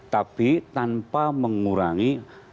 tapi tanpa mengurangi